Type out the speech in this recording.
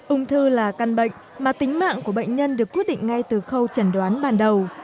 ung thư là căn bệnh mà tính mạng của bệnh nhân được quyết định ngay từ khâu trần đoán ban đầu